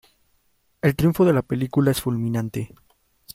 El triunfo de la película es fulminante.